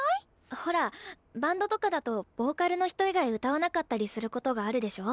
ほらバンドとかだとボーカルの人以外歌わなかったりすることがあるでしょ？